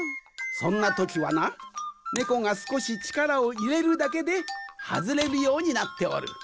そんなときはなネコがすこしちからをいれるだけではずれるようになっておる。